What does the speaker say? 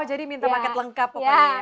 oh jadi minta market lengkap pokoknya ya